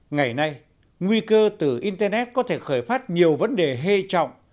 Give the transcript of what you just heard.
ngày nay nguy cơ từ internet có thể khởi phát nhiều vấn đề hê trọng